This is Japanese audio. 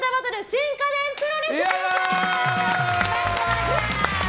新家電プロレス！